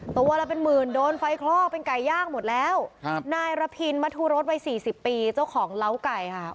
ตัวละเป็นหมื่นโดนไฟคลอกเป็นไก่ย่างหมดแล้วครับนายระพินมทูรสวัยสี่สิบปีเจ้าของเล้าไก่ค่ะ